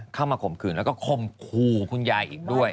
ข่มขืนแล้วก็คมคู่คุณยายอีกด้วย